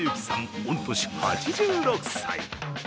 御年８６歳。